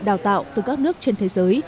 đào tạo từ các nước trên thế giới